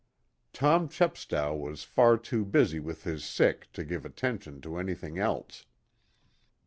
Tom Chepstow was far too busy with his sick to give attention to anything else.